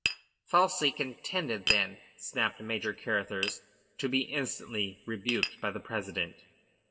"Falsely contended, then," snapped Major Carruthers, to be instantly rebuked by the president.